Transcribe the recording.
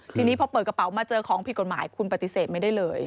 ทีนี้พอเปิดกระเป๋ามาเจอของผิดกฎหมายคุณปฏิเสธไม่ได้เลย